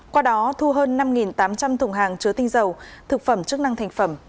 qua đó thu hơn năm tám trăm linh thùng hàng chứa tinh dầu thực phẩm chức năng thành phẩm